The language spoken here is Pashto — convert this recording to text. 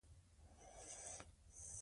د یووالي په ټغر کېنئ.